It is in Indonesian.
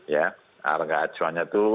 ya harga acuannya itu